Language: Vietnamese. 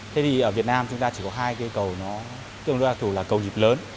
thế thì ở việt nam chúng ta chỉ có hai cây cầu nó tương đối đa thủ là cầu nhịp lớn